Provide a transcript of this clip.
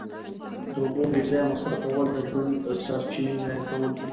د اوبو بې ځایه مصرفول د ژوند د سرچینې ضایع کول دي.